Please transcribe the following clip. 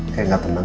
kayak tidak tenang